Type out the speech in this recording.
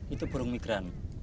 itu burung migran